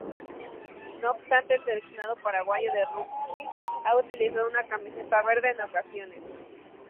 No obstante, el seleccionado paraguayo de rugby ha utilizado una camiseta verde, en ocasiones.